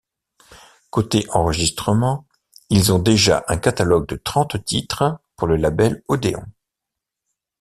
Côté enregistrement, ils ont déjà un catalogue de trente titres pour le label Odéon.